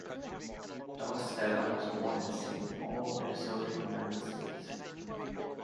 Dockstader was born in Saint Paul, Minnesota, United States.